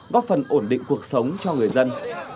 góp phần ổn định cuộc sống cho người dân